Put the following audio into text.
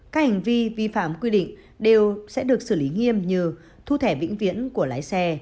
các hành vi vi phạm quy định đều sẽ được xử lý nghiêm như thu thẻ vĩnh viễn của lái xe